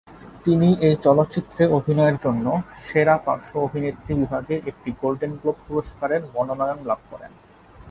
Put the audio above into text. তিনি এই চলচ্চিত্রে অভিনয়ের জন্য সেরা পার্শ্ব অভিনেত্রী বিভাগে একটি গোল্ডেন গ্লোব পুরস্কারের মনোনয়ন লাভ করেন।